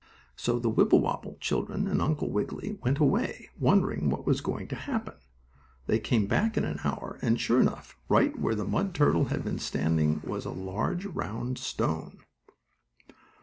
So the Wibblewobble children and Uncle Wiggily went away, wondering what was going to happen. They came back in an hour, and, sure enough, right where the mud turtle had been standing was a large, round stone.